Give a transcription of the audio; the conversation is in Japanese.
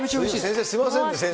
先生、すみませんね、先生。